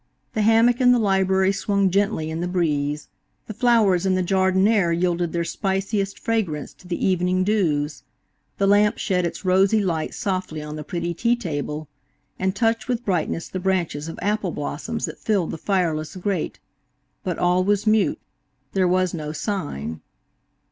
The hammock in the library swung gently in the breeze; the flowers in the jardiniere yielded their spiciest fragrance to the evening dews; the lamp shed its rosy light softly on the pretty tea table, and touched with brightness the branches of apple blossoms that filled the fireless grate, but all was mute; there was no sign.